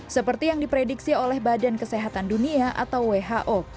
seperti yang diprediksi oleh badan kesehatan dunia atau who